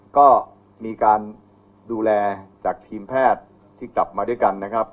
ก็มีการดูแลจากทีมแพทย์ที่กลับมาด้วยกันนะครับ